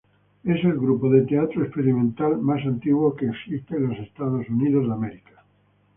Es el grupo de teatro experimental más antiguo que existe en Estados Unidos.